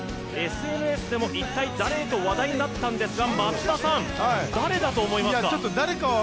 ＳＮＳでも一体誰？と話題になったんですが、松田さん、誰だと思いますか？